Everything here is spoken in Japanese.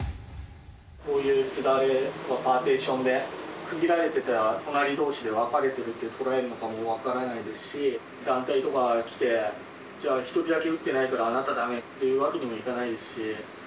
こういうすだれのパーティションで区切られていたら、隣どうしで分かれているととらえるのかも分からないですし、団体とか来て、じゃあ、１人だけ打ってないからあなただめっていうわけにもいかないですし。